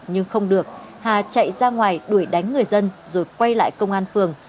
nhưng không được hà chạy ra ngoài đuổi đánh người dân rồi quay lại công an phường